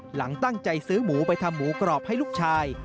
หลังตั้งใจซื้อหมูไปทำหมูกรอบให้ลูกชาย